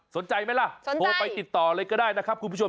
สนใจไหมล่ะโทรไปติดต่อเลยก็ได้นะครับคุณผู้ชม